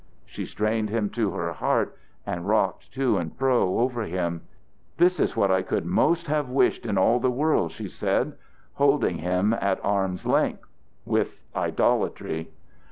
She strained him to her heart and rocked to and fro over him. "This is what I could most have wished in all the world," she said, holding him at arm's length with idolatry.